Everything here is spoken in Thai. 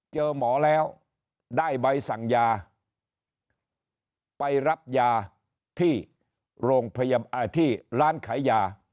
เจอหมอแล้วได้ใบสั่งยาไปรับยาที่โรงพยาบาลที่ร้านขายยา